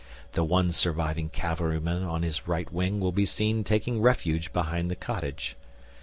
(The one surviving cavalry man on his right wing will be seen taking refuge behind the cottage.)